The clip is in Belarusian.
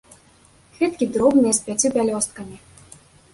Кветкі дробныя, з пяццю пялёсткамі.